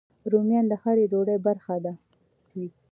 رومیان د هر ډوډۍ برخه وي